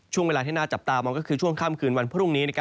ช่วงเวลาที่น่าจับตามองก็คือช่วงค่ำคืนวันพรุ่งนี้